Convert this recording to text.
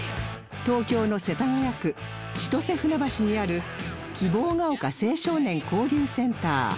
東京の世田谷区千歳船橋にある希望丘青少年交流センター